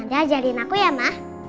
nanti ajarin aku ya ma